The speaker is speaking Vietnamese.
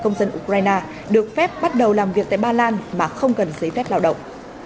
công dân ukraine được phép bắt đầu làm việc tại ba lan mà không cần giấy phép lao động